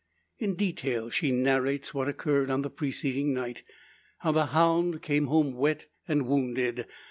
In detail she narrates what occurred on the preceding night; how the hound came home wet, and wounded.